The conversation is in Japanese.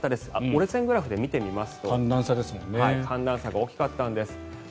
折れ線グラフで見てみますと寒暖差が大きかったんです。